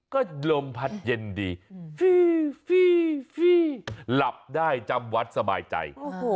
ก็ลมพัดเย็นดีฟี่ฟี่หลับได้จำวัดสบายใจ